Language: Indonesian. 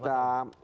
tidak ada masalah